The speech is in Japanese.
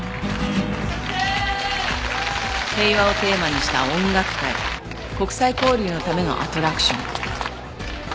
平和をテーマにした音楽会国際交流のためのアトラクション。